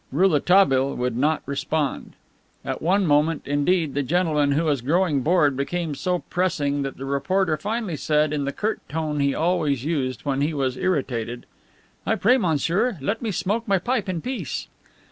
Rouletabille would not respond. At one moment, indeed, the gentleman, who was growing bored, became so pressing that the reporter finally said in the curt tone he always used when he was irritated: "I pray you, monsieur, let me smoke my pipe in peace."